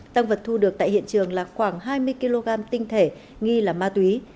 tăng vật thu được tại hiện trường là khoảng hai mươi kg tinh thể nghi là ma túy